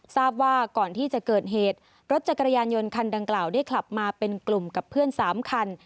ทราบว่าก่อนที่จะเกิดเหตุรถจักรยานยนต์คันดังกล่าวได้ขับมาเป็นกลุ่มกับเพื่อน๓คัน